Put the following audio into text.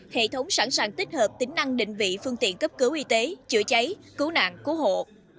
hệ thống sẵn sàng tích hợp tính năng định vị phương tiện cấp cứu y tế chữa cháy cứu nạn cứu hộ